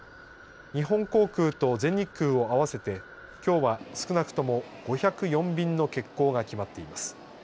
日本航空と全日空を合わせてきょうは少なくとも５０４便の欠航が決まっています。